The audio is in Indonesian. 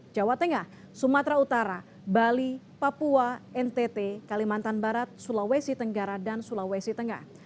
jawa tengah sumatera utara bali papua ntt kalimantan barat sulawesi tenggara dan sulawesi tengah